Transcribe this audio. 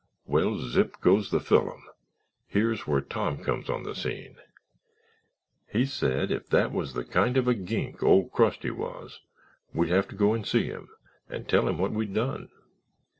"Well, zip goes the fillum! Here's where Tom comes on the scene. He said that if that was the kind of a gink Old Crusty was we'd have to go and see him and tell him what we'd done.